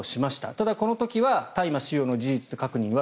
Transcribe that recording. ただ、この時は大麻使用の事実確認は